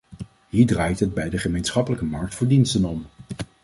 Hier draait het bij de gemeenschappelijke markt voor diensten om.